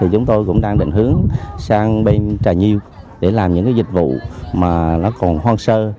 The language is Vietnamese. chúng tôi cũng đang định hướng sang bên trà nhiêu để làm những dịch vụ còn hoang sơ